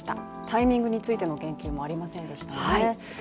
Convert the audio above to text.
タイミングについての言及もありませんでしたね。